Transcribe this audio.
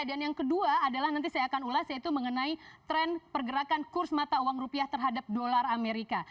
dan yang kedua adalah nanti saya akan ulas yaitu mengenai tren pergerakan kurs mata uang rupiah terhadap dolar amerika